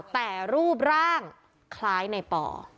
แต่รูปร่างคล้ายในป่อ